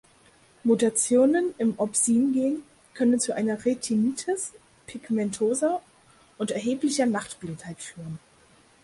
Mutationen im Opsin-Gen können zu einer Retinitis pigmentosa und erblicher Nachtblindheit führen.